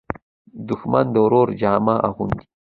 دښمن د ورور جامه اغوندي